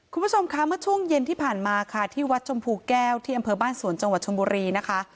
คุณผู้ชมคะเมื่อช่วงเย็นที่ผ่านมาค่ะที่วัดชมพูแก้วที่อำเภอบ้านสวนจังหวัดชนบุรีนะคะ